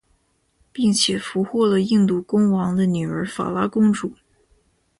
并且俘获了印度公王的女儿法拉公主。